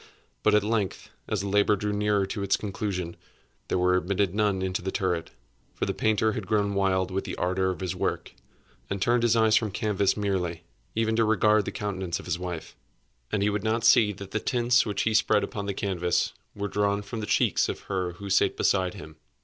But at length, as the labor drew nearer to its conclusion, there were admitted none into the turret; for the painter had grown wild with the ardor of his work, and turned his eyes from canvas merely, even to regard the countenance of his wife. And he would not see that the tints which he spread upon the canvas were drawn from the cheeks of her who sate beside him.